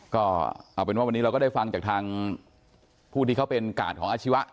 ก็เอาเป็นว่าวันนี้เราก็ได้ฟังจากทางผู้ที่เขาเป็นกาดของอาชีวะ